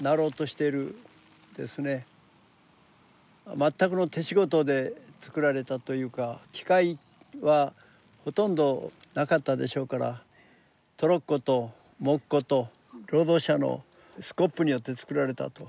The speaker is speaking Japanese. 全くの手仕事で造られたというか機械はほとんどなかったでしょうからトロッコとモッコと労働者のスコップによって造られたと。